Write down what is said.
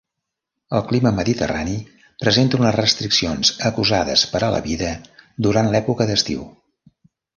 El clima mediterrani presenta unes restriccions acusades per a la vida durant l'època d'estiu.